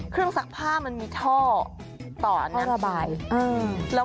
เครื่องซักผ้ามันมีท่อต่อท่อระบายอืม